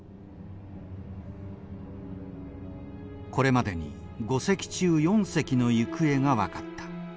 これまでに５隻中４隻の行方が分かった。